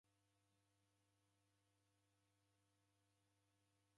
Iyo chia ni ndacha